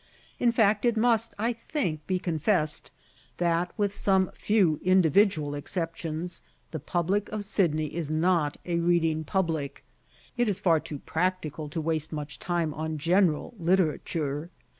In fact it must, I think, be confessed that, with some few individual exceptions, the public of Sydney is not a reading public. It is far too practical to waste much time on general literature.